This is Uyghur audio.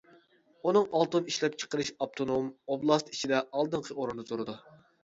ئۇنىڭ ئالتۇن ئىشلەپچىقىرىشى ئاپتونوم ئوبلاست ئىچىدە ئالدىنقى ئورۇندا تۇرىدۇ.